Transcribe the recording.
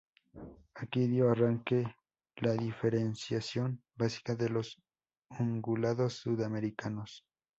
Aquí dio arranque la diferenciación básica de los ungulados sudamericanos.